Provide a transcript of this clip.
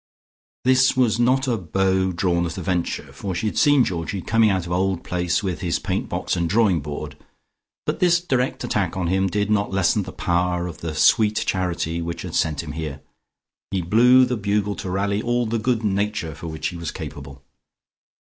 This was not a bow drawn at a venture, for she had seen Georgie come out of Old Place with his paint box and drawing board, but this direct attack on him did not lessen the power of the "sweet charity" which had sent him here. He blew the bugle to rally all the good nature for which he was capable.